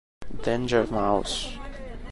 Danger Mouse